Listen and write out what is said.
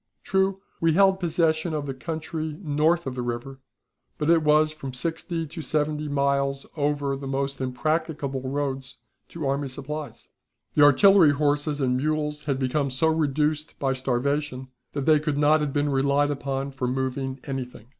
True, we held possession of the country north of the river, but it was from sixty to seventy miles over the most impracticable roads to army supplies. "The artillery horses and mules had become so reduced by starvation that they could not have been relied upon for moving anything.